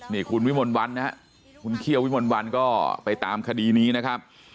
นี่คุณวิมลวันนะครับคุณเขี้ยววิมลวันก็ไปตามคดีนี้นะครับ